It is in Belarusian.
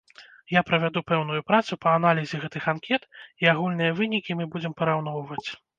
Я правяду пэўную працу па аналізе гэтых анкет і агульныя вынікі мы будзем параўноўваць.